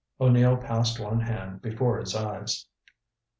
O'Neill passed one hand before his eyes.